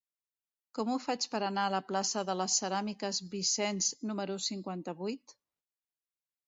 Com ho faig per anar a la plaça de les Ceràmiques Vicens número cinquanta-vuit?